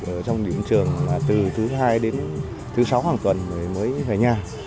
ở trong điểm trường là từ thứ hai đến thứ sáu hàng tuần mới về nhà